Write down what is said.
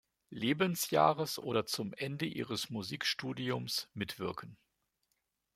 Lebensjahres oder zum Ende ihres Musikstudiums mitwirken.